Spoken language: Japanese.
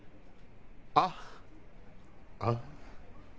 あっあっ。